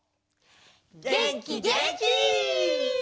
げんきげんき！